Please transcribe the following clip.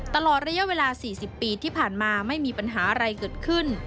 ตลอดระยะเวลา๔๐ปีที่ผ่านมาไม่มีปัญหาอะไรเกิดขึ้น